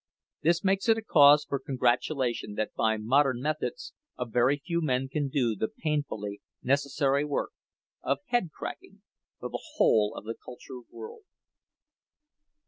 This makes it a cause for congratulation that by modern methods a very few men can do the painfully necessary work of head cracking for the whole of the cultured world.